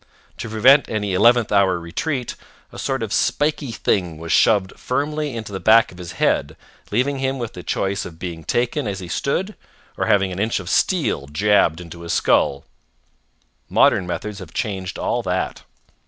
To prevent any eleventh hour retreat, a sort of spiky thing was shoved firmly into the back of his head leaving him with the choice of being taken as he stood or having an inch of steel jabbed into his skull. Modern methods have changed all that.